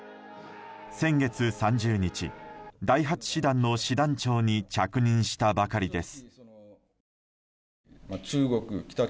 先月３０日、第８師団の師団長に着任したばかりです。